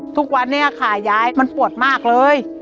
ทุกวันนี้ขายายมันปวดมากเลย